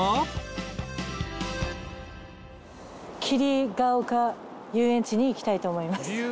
桐生が岡遊園地に行きたいと思います。